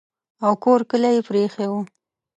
او کور کلی یې پرې ایښی وو.